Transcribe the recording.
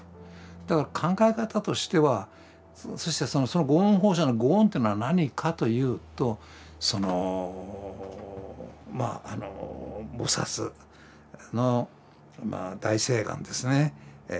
だから考え方としてはそしてその御恩報謝の御恩というのは何かというと菩薩の大誓願ですね。